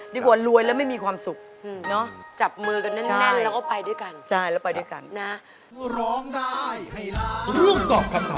ดีกว่ารวยแล้วไม่มีความสุข